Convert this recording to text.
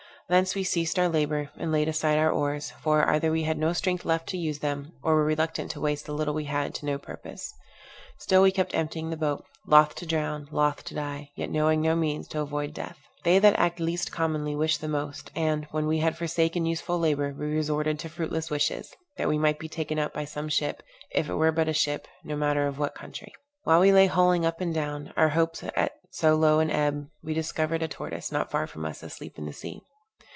Thence we ceased our labor, and laid aside our oars; for, either we had no strength left to use them, or were reluctant to waste the little we had to no purpose. Still we kept emptying the boat, loth to drown, loth to die, yet knowing no means to avoid death. They that act least commonly wish the most; and, when we had forsaken useful labor, we resorted to fruitless wishes that we might be taken up by some ship, if it were but a ship, no matter of what country. While we lay hulling up and down, our hopes at so low an ebb, we discovered a tortoise, not far from us, asleep in the sea.